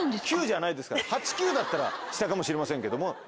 級じゃないですから八級だったら下かもしれませんけども。